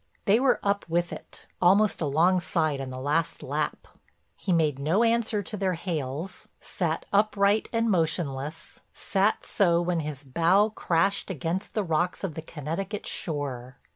They were up with it, almost alongside on the last lap. He made no answer to their hails, sat upright and motionless, sat so when his bow crashed against the rocks of the Connecticut shore.